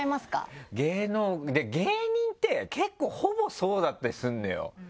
芸人って結構ほぼそうだったりするのよ。